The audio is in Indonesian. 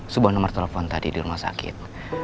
sebuah nomor telepon tadi di rumah sakit